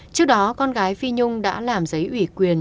trước đó con gái phi nhung đã làm giấy ủy quyền